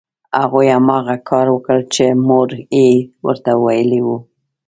هغوی هماغه کار وکړ چې مور یې ورته ویلي وو